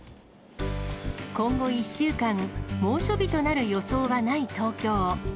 今後１週間、猛暑日となる予想はない東京。